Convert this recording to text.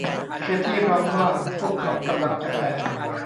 เคธี่ร้องว่าพวกเขากำลังจะแพ้